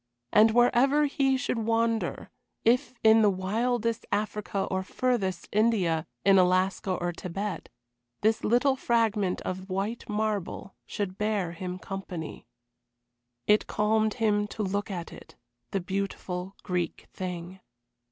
And wherever he should wander if in wildest Africa or furthest India, in Alaska or Tibet this little fragment of white marble should bear him company. It calmed him to look at it the beautiful Greek thing.